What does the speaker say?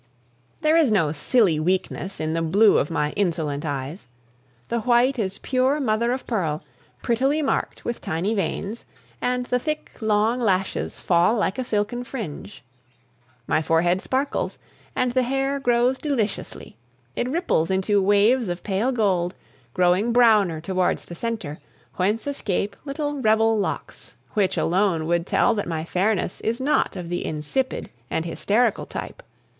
There is no silly weakness in the blue of my insolent eyes; the white is pure mother of pearl, prettily marked with tiny veins, and the thick, long lashes fall like a silken fringe. My forehead sparkles, and the hair grows deliciously; it ripples into waves of pale gold, growing browner towards the centre, whence escape little rebel locks, which alone would tell that my fairness is not of the insipid and hysterical type.